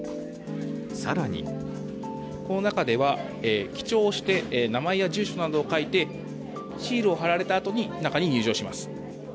更にこの中では、記帳して名前や住所などを書いてシールを貼られたあとに中に入場します。